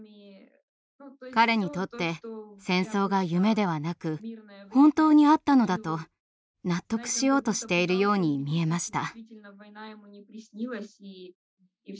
彼にとって戦争が夢ではなく本当にあったのだと納得しようとしているように見えました。